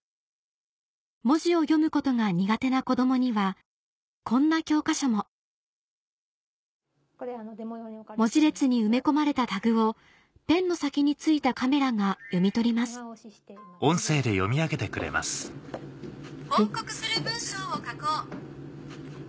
文字を読むことが苦手な子供にはこんな教科書も文字列に埋め込まれたタグをペンの先に付いたカメラが読み取ります報告する文章を書こう。